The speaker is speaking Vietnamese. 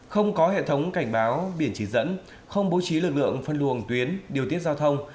không có hệ thống cảnh báo biển chỉ dẫn không bố trí lực lượng phân luồng tuyến điều tiết giao thông